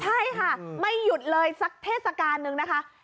ใช่ไม่หยุดเลยสักเทศกาลนึง